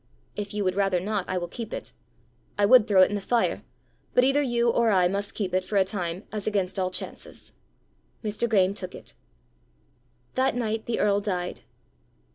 "If you would rather not, I will keep it. I would throw it in the fire, but either you or I must keep it for a time as against all chances." Mr. Graeme took it. That night the earl died.